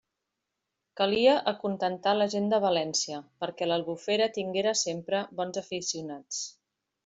Calia acontentar la gent de València, perquè l'Albufera tinguera sempre bons aficionats.